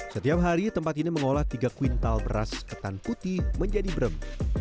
setiap hari tempat ini mengolah tiga kuintal beras ketan putih menjadi brem